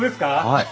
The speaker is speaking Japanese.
はい。